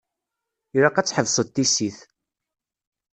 Ilaq ad tḥebseḍ tissit.